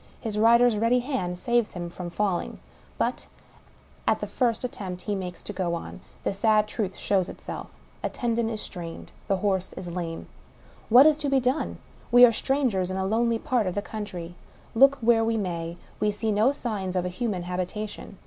His rider's ready hand saves him from falling. But, at the first at tempt he makes to go on, the sad truth shows itself — a tendon is strained ; the horse is lame. *# What is to be done ? We are strangers in a lonely part , of the country. Look where we may, we see no signs of a human habitation.